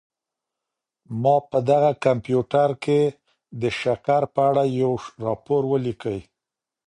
ما په دغه کمپیوټر کي د شکر په اړه یو راپور ولیکلی.